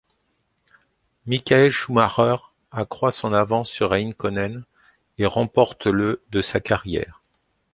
Michael Schumacher accroît son avance sur Räikkönen, et remporte le de sa carrière.